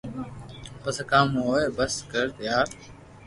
پسي ڪاوُ ھوئي بس ڪر ٽار